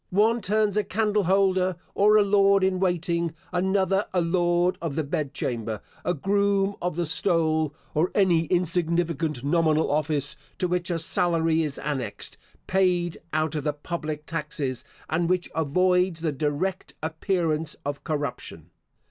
One turns a candle holder, or a lord in waiting; another a lord of the bed chamber, a groom of the stole, or any insignificant nominal office to which a salary is annexed, paid out of the public taxes, and which avoids the direct appearance of corruption.